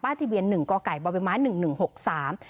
ป้าที่เบียน๑กบม๑๑๖๓